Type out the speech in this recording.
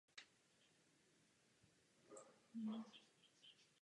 Z těchto důvodů podporuji přijetí zprávy.